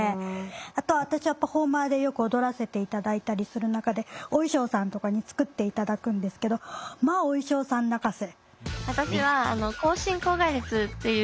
あと私はパフォーマーでよく踊らせて頂いたりする中でお衣装さんとかに作って頂くんですけどまあお衣装さん泣かせ。